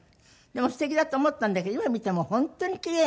でも素敵だと思ったんだけど今見ても本当にキレイね。